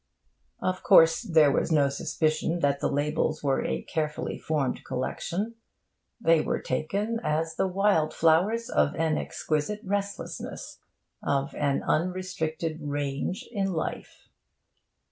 Of course, there was no suspicion that the labels were a carefully formed collection; they were taken as the wild flowers of an exquisite restlessness, of an unrestricted range in life.